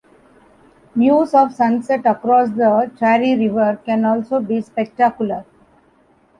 Views of sunset across the Chari River can also be spectacular.